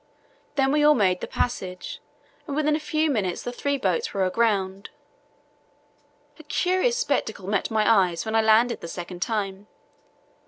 Then we all made the passage, and within a few minutes the three boats were aground. A curious spectacle met my eyes when I landed the second time.